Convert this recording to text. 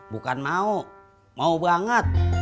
bukan mau mau banget